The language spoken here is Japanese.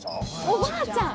おばあちゃん！